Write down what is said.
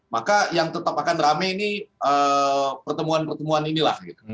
maka yang tetap akan rame ini pertemuan pertemuan inilah